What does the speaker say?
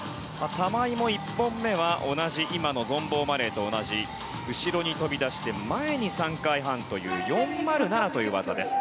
玉井も１本目は今のゾンボーマレーと同じ後ろに飛び出して前に３回半という４０７という技です。